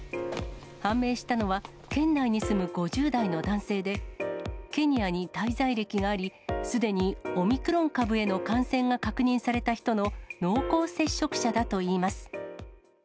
判明したのは、県内に住む５０代の男性で、ケニアに滞在歴があり、すでにオミクロン株への感染が確認された人の濃厚接触者だといいます。